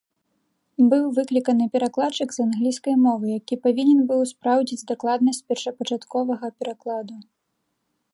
Быў выкліканы перакладчык з англійскай мовы, які павінен быў спраўдзіць дакладнасць першапачатковага перакладу.